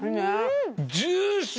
ジューシー！